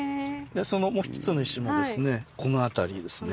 そのもう一つの石もですねこの辺りですね。